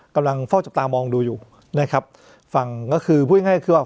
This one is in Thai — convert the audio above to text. กำลังเฝ้าจับตามองดูอยู่นะครับฟังก็คือพูดง่ายคือว่า